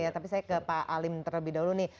tapi saya ke pak alim terlebih dahulu nih